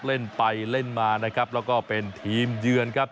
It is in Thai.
เล่นไปเล่นมานะครับแล้วก็เป็นทีมเยือนครับ